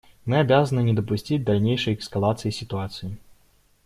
Мы обязаны не допустить дальнейшей эскалации ситуации.